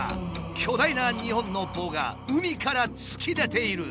巨大な２本の棒が海から突き出ている。